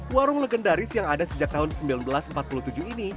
warung legendaris yang ada sejak tahun seribu sembilan ratus empat puluh tujuh ini